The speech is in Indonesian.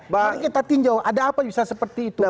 baru kita tinjau ada apa bisa seperti itu